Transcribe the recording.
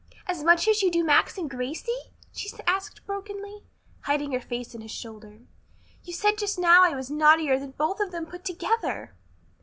"As much as you do Max and Gracie?" she asked brokenly, hiding her face on his shoulder. "You said just now I was naughtier than both of them put together."